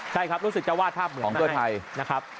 ใช่ครับรู้สึกจะวาดภาพเหมือนกันให้